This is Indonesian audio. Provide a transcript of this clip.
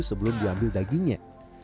sebelum diambil dagingnya